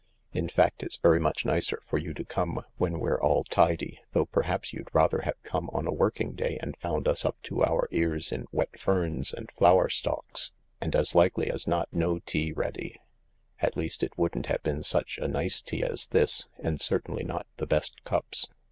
In fact it's very much nicer for you to come when we're all tidy, though perhaps you'd rather have come on a working day, and found us up to our ears in wet ferns and flower stalks, and as likely as not no tea ready— ^t least, it wouldn't have been such a nice tea as this, and certainly not the best cups."